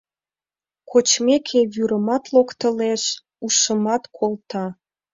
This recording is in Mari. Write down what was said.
Кочмеке, вӱрымат локтылеш, ушымат колта...